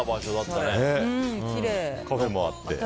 カフェもあって。